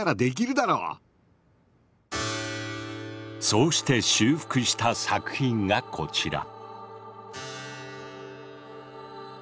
そうして修復した作品がこちら。